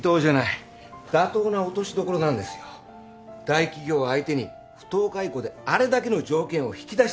大企業相手に不当解雇であれだけの条件を引き出したんです。